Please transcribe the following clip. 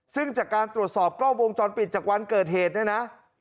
ซึ่งจากการตรวจสอบกล้องวงจรปิดจากวันเกิดเหตุเนี่ยนะ